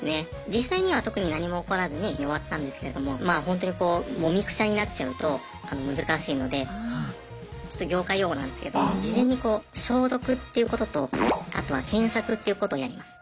実際には特に何も起こらずに終わったんですけれどもまあホントにこうもみくちゃになっちゃうと難しいのでちょっと業界用語なんですけど事前にこう消毒っていうこととあとは検索っていうことをやります。